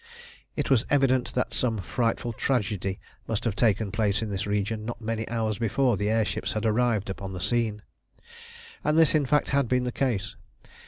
It was evident that some frightful tragedy must have taken place in this region not many hours before the air ships had arrived upon the scene. And this, in fact, had been the case.